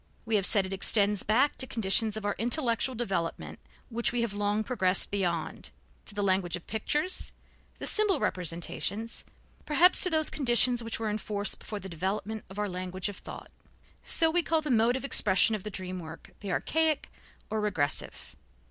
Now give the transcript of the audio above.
We have said it extends back to conditions of our intellectual development which we have long progressed beyond, to the language of pictures, the symbol representations, perhaps to those conditions which were in force before the development of our language of thought. So we called the mode of expression of the dream work the archaic or regressive.